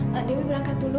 ma dewi berangkat dulu